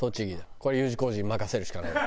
これＵ字工事に任せるしかないわ。